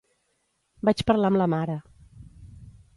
Vaig parlar amb la mare.